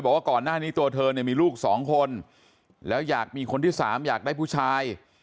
บอกว่าก่อนหน้านี้ตัวเธอเนี่ยมีลูกสองคนแล้วอยากมีคนที่สามอยากได้ผู้ชาย